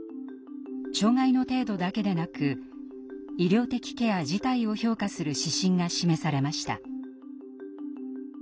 障害の程度だけでなく医療的ケア自体を評価する指針が示されました。